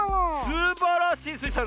すばらしいスイさん！